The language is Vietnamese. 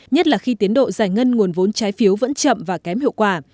nhất là khi tiến độ giải ngân nguồn vốn trái phiếu vẫn chậm và kém hiệu quả